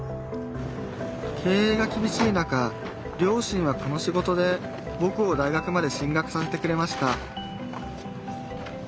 経営がきびしい中両親はこの仕事でぼくを大学まで進学させてくれました